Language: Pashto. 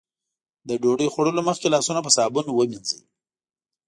د ډوډۍ خوړلو مخکې لاسونه په صابون ومينځئ.